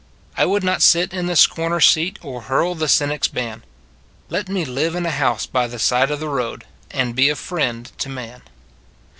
I would not sit in the scorner s seat, Or hurl the cynic s ban; Let me live in a house by the side of the road And be a friend to man.